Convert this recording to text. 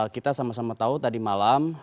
kita sama sama tahu tadi malam